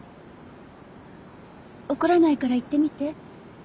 怒らないから言ってみて。